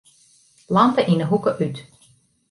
Lampe yn 'e hoeke út.